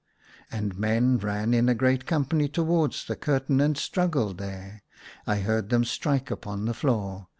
And men ran in a great company towards the curtain, and strugi^led there. I heard them strike upon the floor.